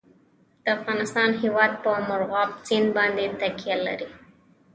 د افغانستان هیواد په مورغاب سیند باندې تکیه لري.